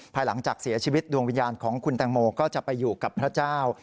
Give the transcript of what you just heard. ภายหลังจากเสียชีวิตดวงวิญญาณของคุณแตงโมก็จะไปอยู่กับพระเจ้า